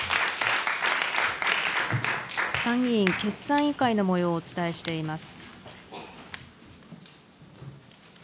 参議院決算委員会のもようをお伝えしています。